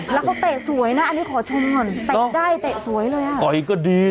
แล้วก็ตะสวยนะอันนี้ขอชมก่อนตะได้ตะสวยเลยไอ้ก็ดี